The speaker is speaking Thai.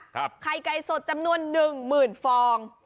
ไข่ไก่สดจำนวน๑๐๐๐๐ฟอง